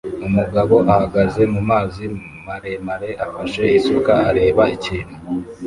Umugabo ahagaze mumazi maremare afashe isuka areba ikintu